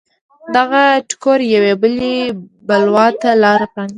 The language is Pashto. دغه ټکر یوې بلې بلوا ته لار پرانېسته.